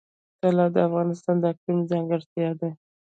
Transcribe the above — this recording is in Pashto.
طلا د افغانستان د اقلیم ځانګړتیا ده.